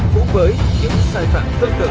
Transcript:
cũng với những sai phạm tương tự